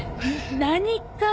何か？